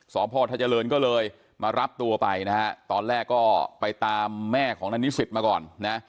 สภธจริงก็เลยมารับตัวไปนะครับตอนแรกก็ไปตามแม่ของนายนิสิทธิ์มาก่อน